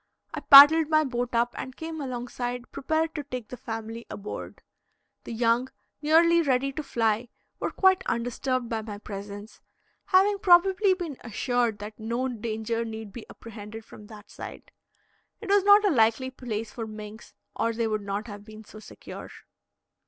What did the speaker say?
I paddled my boat up and came alongside prepared to take the family aboard. The young, nearly ready to fly, were quite undisturbed by my presence, having probably been assured that no danger need be apprehended from that side. It was not a likely place for minks, or they would not have been so secure.